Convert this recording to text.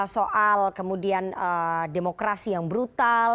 soal kemudian demokrasi yang brutal